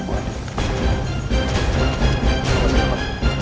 selamat siang ibu